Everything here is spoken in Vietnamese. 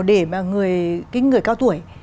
để mà người cao tuổi